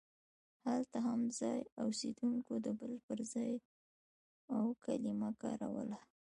هلته هم ځایي اوسېدونکو د بلې پر ځای اوو کلمه کاروله.